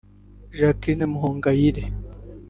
Jacqueline Muhongayire